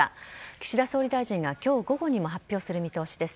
岸田総理大臣が今日午後にも発表する見通しです。